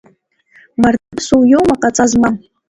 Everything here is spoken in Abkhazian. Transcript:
Мардасоу иоума ҟаҵа змам?!